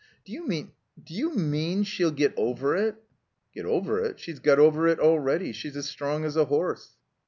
"D'you mean — d'you mean — she'll get over it?" "Get over it? She's got over it already. She's as strong as a horse."